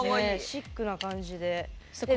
シックな感じで。